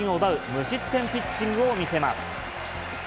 無失点ピッチングを見せます。